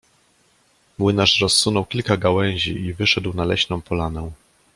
Młynarz rozsunął kilka gałęzi i wyszedł na leśną polanę.